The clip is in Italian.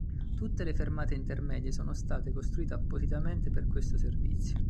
Tutte le fermate intermedie sono state costruite appositamente per questo servizio.